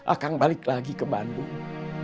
akan balik lagi ke bandung